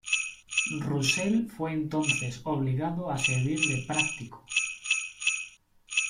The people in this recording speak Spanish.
Russell fue entonces obligado a servir de práctico.